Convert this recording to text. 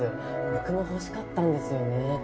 僕も欲しかったんですよね。